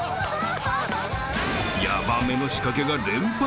［ヤバめの仕掛けが連発］